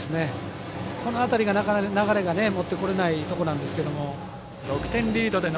この辺りが流れが持ってこれないところなんですけど。